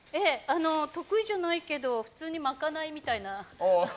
得意じゃないけど普通に賄いみたいな。